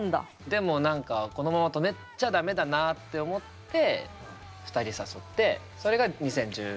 でも何かこのまま止めちゃ駄目だなって思って２人誘ってそれが２０１６年。